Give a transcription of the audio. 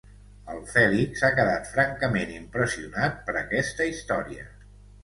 El Fèlix ha quedat francament impressionat per aquesta història.